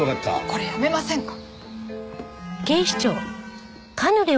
これやめませんか？